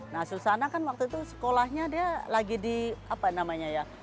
nah susana kan waktu itu sekolahnya dia lagi di apa namanya ya